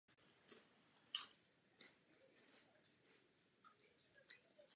Také by měly být levnější a samozřejmě kompatibilní s ostatním vybavením.